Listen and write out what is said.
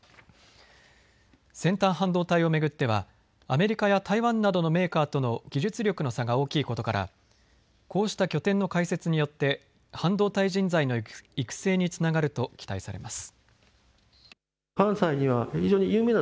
先端半導体を巡ってはアメリカや台湾などのメーカーとの技術力の差が大きいことからこうした拠点の開設によって半導体人材の育成につながると期待されます。